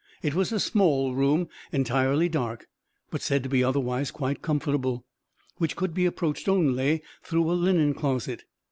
It was a small room, entirely dark, but said to be otherwise quite comfortable, which could be approached only through a linen closet.